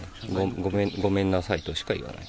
ごめんなさいとしか言わない。